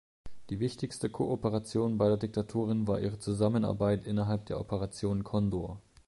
Die wichtigste Kooperation beider Diktaturen war ihre Zusammenarbeit innerhalb der Operation Condor.